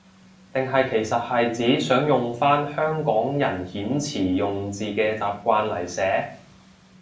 定係其實係指想用返香港人遣詞用字嘅習慣嚟寫？